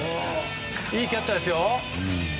いいキャッチャーですよ。